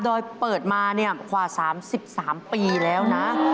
โดยเปิดมากว่า๓๓ปีแล้วนะ